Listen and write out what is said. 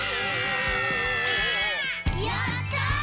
やった！